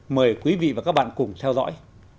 mời quý vị và các bạn cùng theo dõi